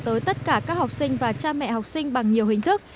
tới tất cả các học sinh và cha mẹ học sinh bằng nhiều hình thức